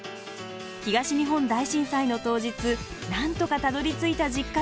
東日本大震災の当日なんとかたどりついた実家で食べた一品。